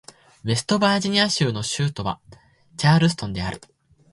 ウェストバージニア州の州都はチャールストンである